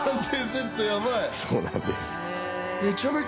そうなんです。